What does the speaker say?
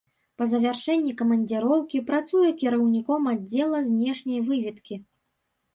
Па завяршэнні камандзіроўкі працуе кіраўніком аддзела знешняй выведкі.